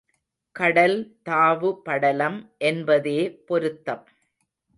கடல் தாவு படலம் என்பதே பொருத்தம்.